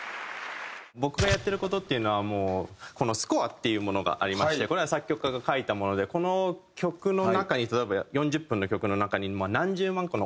僕がやってる事っていうのはもうこのスコアっていうものがありましてこれは作曲家が書いたものでこの曲の中に例えば４０分の曲の中に何十万個の音があるんですよね。